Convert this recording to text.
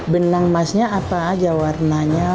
benang emasnya apa aja warnanya